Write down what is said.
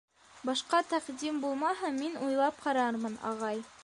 Башҡа тәҡдим булмаһа, мин уйлап ҡарармын, ағай.